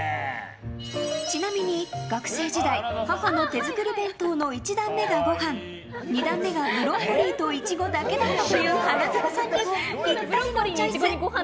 ちなみに、学生時代母の手作り弁当の１段目がご飯２段目がブロッコリーとイチゴだけだったという花澤さんにぴったりのチョイス！